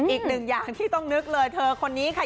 อีกหนึ่งอย่างที่ต้องนึกเลยเธอคนนี้ค่ะ